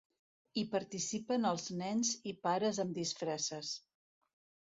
Hi participen els nens i pares amb disfresses.